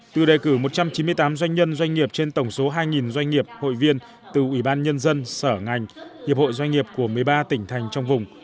từ đề cử một trăm chín mươi tám doanh nhân doanh nghiệp trên tổng số hai doanh nghiệp hội viên từ ủy ban nhân dân sở ngành hiệp hội doanh nghiệp của một mươi ba tỉnh thành trong vùng